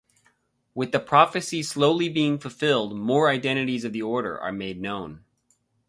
With the prophecy slowly being fulfilled, more identities of the Order are made known.